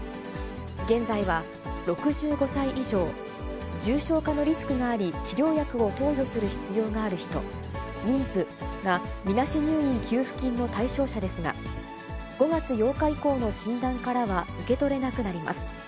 現在は６５歳以上、重症化のリスクがあり、治療薬を投与する必要がある人、妊婦がみなし入院給付金の対象者ですが、５月８日以降の診断からは受け取れなくなります。